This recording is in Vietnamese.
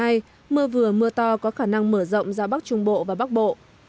từ đêm hai mươi sáu tháng một mươi hai mưa vừa mưa to có khả năng mở rộng ra bắc trung bộ và bắc bộ